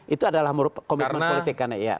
itu adalah komitmen politik kan ya